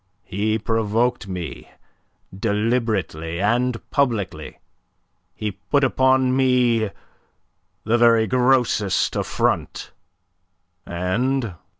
He provoked me deliberately and publicly. He put upon me the very grossest affront, and...